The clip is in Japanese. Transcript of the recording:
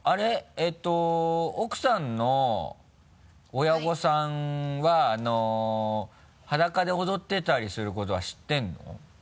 えっと奥さんの親御さんはあの裸で踊ってたりすることは知ってるの？